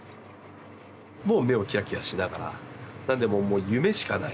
もう目をキラキラしながらなんでもう夢しかない。